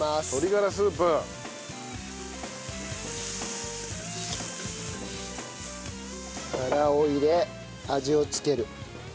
がらを入れ味を付ける。